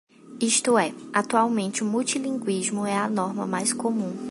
Isto é, atualmente o multilinguismo é a norma mais comum.